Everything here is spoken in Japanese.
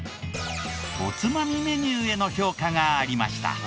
おつまみメニューへの評価がありました。